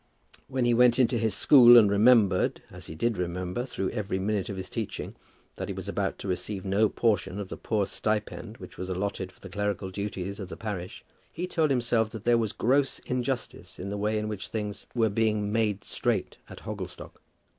When he went into his school and remembered, as he did remember through every minute of his teaching that he was to receive no portion of the poor stipend which was allotted for the clerical duties of the parish, he told himself that there was gross injustice in the way in which things were being made straight at Hogglestock.